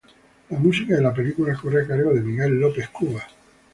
La música de la película corre a cargo de Miguel López Cubas.